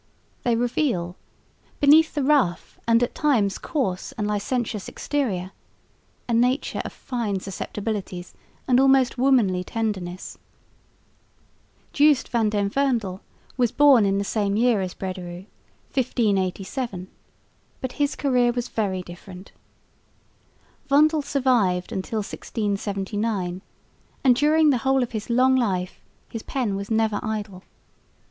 They reveal, beneath the rough and at times coarse and licentious exterior, a nature of fine susceptibilities and almost womanly tenderness. Joost van den Vondel was born in the same year as Brederôo, 1587, but his career was very different. Vondel survived till 1679, and during the whole of his long life his pen was never idle.